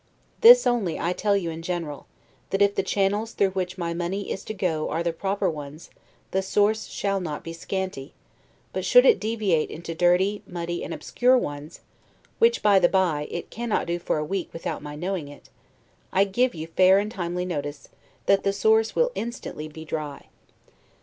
This only I tell you in general, that if the channels through which my money is to go are the proper ones, the source shall not be scanty; but should it deviate into dirty, muddy, and obscure ones (which by the bye, it cannot do for a week without my knowing it); I give you fair and timely notice, that the source will instantly be dry.